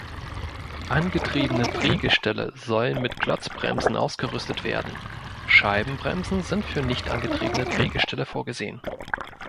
Angetriebene Drehgestelle sollen mit Klotzbremsen ausgerüstet werden, Scheibenbremsen sind für nicht angetriebene Drehgestelle vorgesehen.